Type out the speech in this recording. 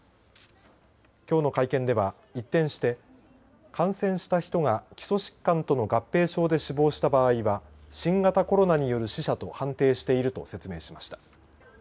きょうの会見では一転して感染した人が基礎疾患との合併症で死亡した場合は新型コロナによる死者と判定していると説明しました。